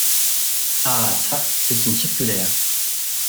Ah ! çà, c’est une circulaire…